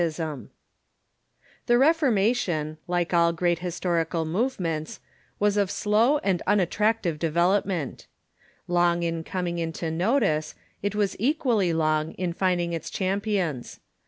] The Reformation, like all great historical movements, was of slow and unattractive development. Long in coming into ,^„... notice, it was equallv long in finding its cliampi The Reformation ...